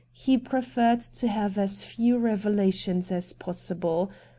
He preferred to have as few revelations as possible.